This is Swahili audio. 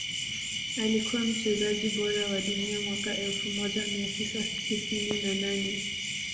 Alikuwa mchezaji bora wa dunia mwaka elfu moja mia tisa tisini na nane